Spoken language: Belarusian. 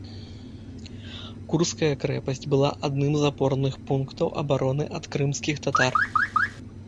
Курская крэпасць была адным з апорных пунктаў абароны ад крымскіх татар.